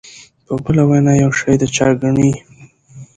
په بله وینا یو شی د چا ګڼي.